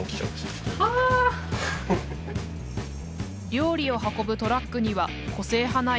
料理を運ぶトラックには個性派なイラスト。